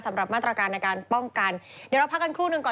สำหรับมาตรการในการป้องกันเดี๋ยวเราพักกันครู่หนึ่งก่อน